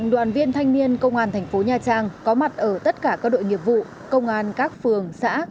đoàn viên thanh niên công an tp nha trang có mặt ở tất cả các đội nghiệp vụ công an các phường xã